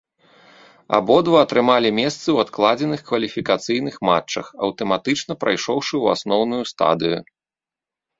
Абодва атрымалі месцы ў адкладзеных кваліфікацыйных матчах, аўтаматычна прайшоўшы ў асноўную стадыю.